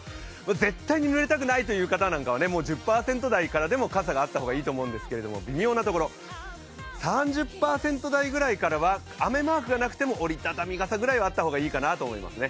絶対にぬれたくないという方は１０％台からでも傘があった方がいいと思うんですけど微妙なところ、３０％台くらいからは雨マークがなくても折り畳み傘ぐらいはあった方がいいかなと思いますね。